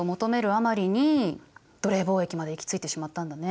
あまりに奴隷貿易まで行き着いてしまったんだね。